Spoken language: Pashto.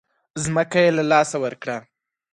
ځمکه یې له لاسه ورکړه.